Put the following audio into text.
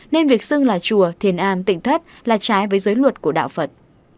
nên việc xưng là chùa thiền a tỉnh thất là trái với giới luật của đạo phật